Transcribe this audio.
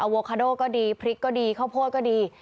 โวคาโดก็ดีพริกก็ดีข้าวโพดก็ดี